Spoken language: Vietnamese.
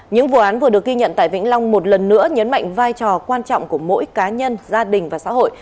những vụ án vừa được ghi nhận tại vĩnh long một lần nữa nhấn mạnh vai trò quan trọng của mỗi cá nhân gia đình và xã hội